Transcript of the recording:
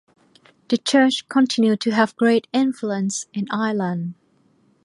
The church continued to have great influence in Ireland.